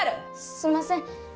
すんません。